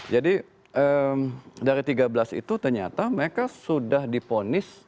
jadi dari tiga belas itu ternyata mereka sudah diponis